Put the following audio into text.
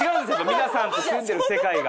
皆さんと住んでる世界が。